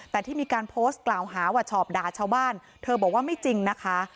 แต่ที่มีการโพสต์กล่าวหาว่าชอบด่าชาวบ้านเธอบอกว่าไม่จริงนะคะ